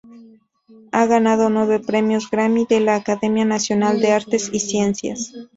Ha ganado nueve "Premios Grammy" de la Academia Nacional de Artes y Ciencias.